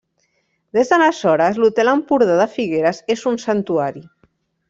Des d'aleshores, l'Hotel Empordà de Figueres és un santuari.